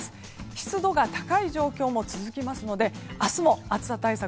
湿度が高い状況も続きますので明日も暑さ対策